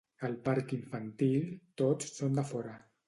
Al parc infantil tots són de fora